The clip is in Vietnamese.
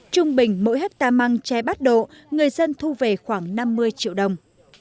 trung bình mỗi hectare măng chai bắt độ người dân thu về khoảng năm mươi triệu đồng